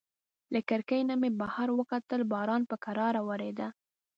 له کړکۍ نه مې بهر وکتل، باران په کراره وریده.